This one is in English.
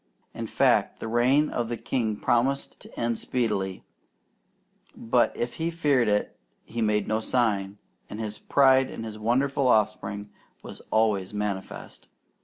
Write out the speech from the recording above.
In fact, the reign of the king promised to end speedily; but if he feared it he made no sign, and his pride in his wonderful offspring was always manifest.